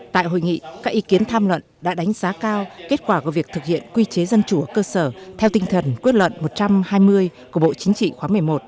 tại hội nghị các ý kiến tham luận đã đánh giá cao kết quả của việc thực hiện quy chế dân chủ ở cơ sở theo tinh thần quyết luận một trăm hai mươi của bộ chính trị khóa một mươi một